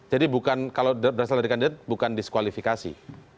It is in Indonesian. jadi kalau berhasil dari kandidat bukan diskualifikasi